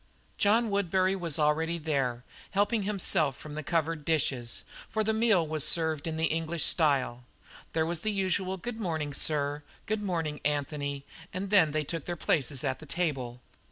John Woodbury was already there, helping himself from the covered dishes, for the meal was served in the English style. There was the usual "Good morning, sir," "Good morning, Anthony," and then they took their places at the table.